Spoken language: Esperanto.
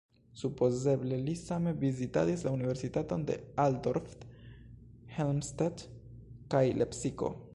Supozeble li same vizitadis la Universitatojn de Altdorf, Helmstedt kaj Lepsiko.